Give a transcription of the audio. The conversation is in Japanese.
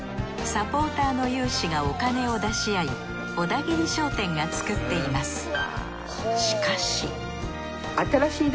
サポーターの有志がお金を出し合い小田切商店が作っています。